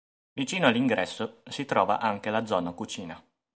Vicino all'ingresso si trova anche la zona cucina.